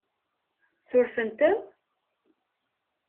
Surfent-am?